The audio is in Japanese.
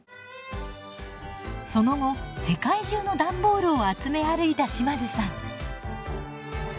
その後世界中の段ボールを集め歩いた島津さん。